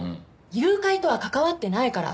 誘拐とは関わってないから。